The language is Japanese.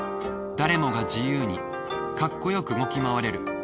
誰もが自由にカッコ良く動き回れる。